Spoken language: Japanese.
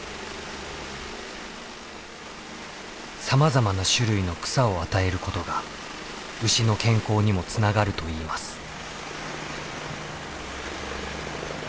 さまざまな種類の草を与えることが牛の健康にもつながるといいます。